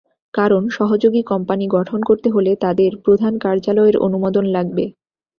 কারণ, সহযোগী কোম্পানি গঠন করতে হলে তাদের প্রধান কার্যালয়ের অনুমোদন লাগবে।